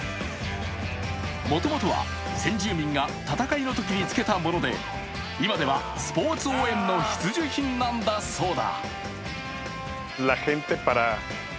もともとは先住民が戦いのときにつけたもので今ではスポ−ツ応援の必需品なんだそうだ。